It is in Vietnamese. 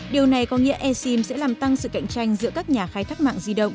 điều này có nghĩa e sim sẽ làm tăng sự cạnh tranh giữa các nhà khai thác mạng di động